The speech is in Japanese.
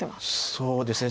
そうですね。